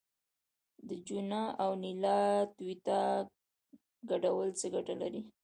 د چونه او نیلا توتیا ګډول څه ګټه لري؟